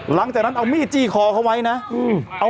หลังจากนั้นเอามีดจี้คอเขาไว้นะ